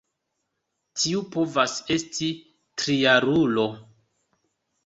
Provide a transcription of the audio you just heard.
Tiu povas esti trijarulo.